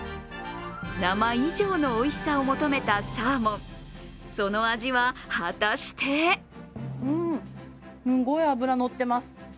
なま以上のおいしさを求めたサーモン、その味は果たしてすごい脂のってます。